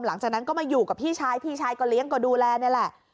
หลังจากนั้นก็มาอยู่กับพี่ชายพี่ชายก็เลี้ยงก็ดูแลนี่แหละ